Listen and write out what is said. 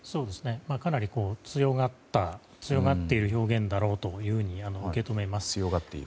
かなり強がっている表現だろうと受け止めます。